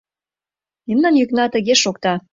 Мемнан йӱкна тыге шокта...